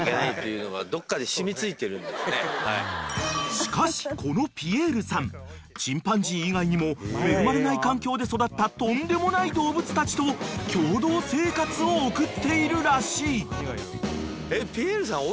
［しかしこのピエールさんチンパンジー以外にも恵まれない環境で育ったとんでもない動物たちと共同生活を送っているらしい］